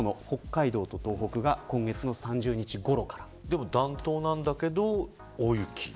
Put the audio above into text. でも暖冬なんだけど、大雪。